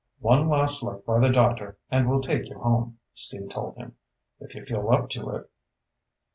"One last look by the doctor and we'll take you home," Steve told him. "If you feel up to it."